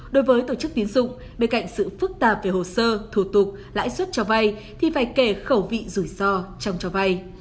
đối với tổ chức tiến dụng bên cạnh sự phức tạp về hồ sơ thủ tục lãi suất cho vay thì phải kể khẩu vị rủi ro trong cho vay